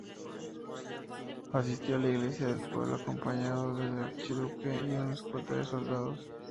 Asistió a la iglesia del pueblo acompañado del archiduque y una escolta de soldados.